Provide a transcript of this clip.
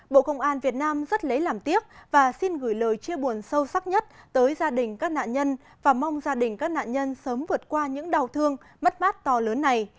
bộ công an việt nam rất lấy làm tiếc và xin gửi lời chia buồn sâu sắc nhất tới gia đình các nạn nhân và mong gia đình các nạn nhân sớm vượt qua những đau thương mất mát to lớn này